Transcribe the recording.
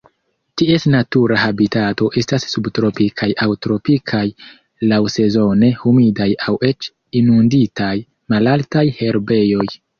Ties natura habitato estas subtropikaj aŭ tropikaj laŭsezone humidaj aŭ eĉ inunditaj malaltaj herbejoj.